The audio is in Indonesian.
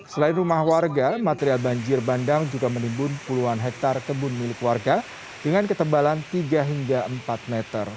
selain rumah warga material banjir bandang juga menimbun puluhan hektare kebun milik warga dengan ketebalan tiga hingga empat meter